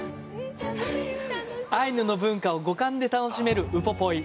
アイヌの文化を五感で楽しめるウポポイ。